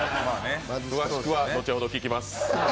詳しくは後ほど聞きます。